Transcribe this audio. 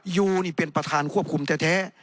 ยูนี่เป็นประธานควบคุมแท้